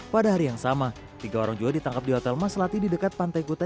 pada hari yang sama tiga orang juga ditangkap di hotel maslati di dekat pantai kuta